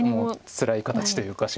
つらい形というか白